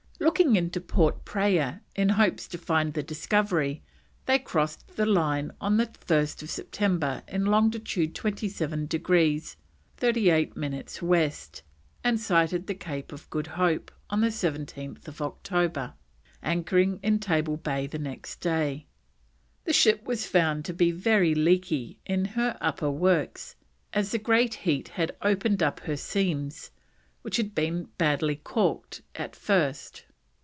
Looking into Port Praya in hopes to find the Discovery they crossed the line on 1st September in longitude 27 degrees 38 minutes West, and sighted the Cape of Good Hope on 17th October, anchoring in Table Bay the next day. The ship was found to be very leaky in her upper works, as the great heat had opened up her seams which had been badly caulked at first.